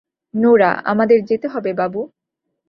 Nora, আমাদের যেতে হবে, বাবু!